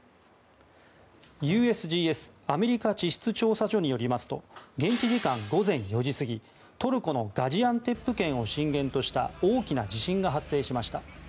ＵＳＧＳ・アメリカ地質調査所によりますと現地時間午前４時過ぎトルコのガジアンテップ県を震源とした大きな地震が発生しました。